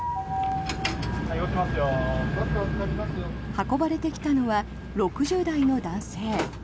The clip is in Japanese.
運ばれてきたのは６０代の男性。